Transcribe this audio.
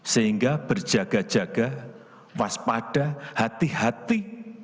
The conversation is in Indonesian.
sehingga berjaga jaga waspada hati hati